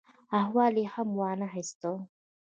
احوال یې هم وا نه خیست.